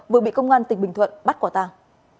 vừa bị công an tỉnh bình thuận bắt quả tàng